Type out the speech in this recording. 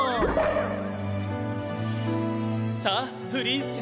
「さあプリンセス！」。